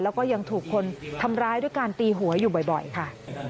แล้วก็ยังถูกคนทำร้ายด้วยการตีหัวอยู่บ่อยค่ะ